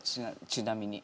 ちなみに。